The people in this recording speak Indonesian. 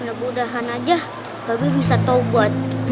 mudah mudahan aja bapak bisa tawabat